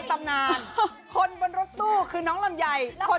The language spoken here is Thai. เอาเมืองสองพับก่อน